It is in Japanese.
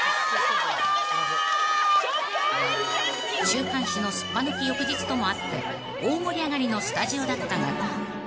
［週刊誌のすっぱ抜き翌日ともあって大盛り上がりのスタジオだったが］